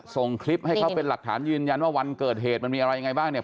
ส่งคลิปให้เขาเป็นหลักฐานยืนยันว่าวันเกิดเหตุมันมีอะไรยังไงบ้างเนี่ย